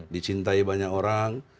dicintai banyak orang